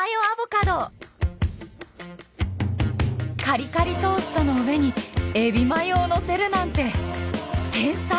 カリカリトーストの上に海老マヨをのせるなんて天才！